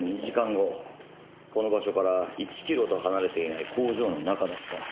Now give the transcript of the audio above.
この場所から１キロと離れていない工場の中だった。